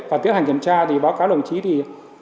và tiến hành kiểm tra thì báo cáo đồng chí thì